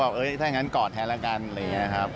แบบถ้านั้นกอดแทนละกันแบบนี้ครับ